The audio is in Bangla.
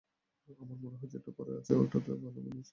আমার মনে হয় যেটা পরে আছো ওটাতেই ভালো মানিয়েছে তোমাকে।